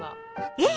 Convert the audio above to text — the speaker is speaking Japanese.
えっ？